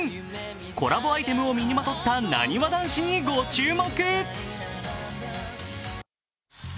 コラボアイテムを身にまとったなにわ男子にご注目。